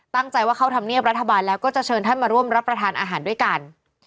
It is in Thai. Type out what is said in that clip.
ตั้งใจว่าเข้าธรรมเนียบรัฐบาลแล้วก็จะเชิญท่านมาร่วมรับประทานอาหารด้วยกัน